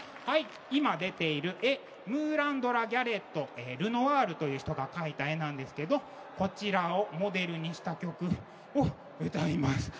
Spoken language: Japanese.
今、出ている絵ムーラン・ド・ラ・ギャレットルノアールという人が描いた絵なんですけどこちらをモデルにした曲を歌います。